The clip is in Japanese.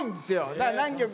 だから、何曲か。